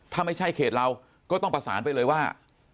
ถ้าไม่ใช่เขตเราก็ต้องประสานไปเลยว่า